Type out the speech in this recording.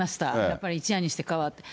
やっぱり一夜にして変わって。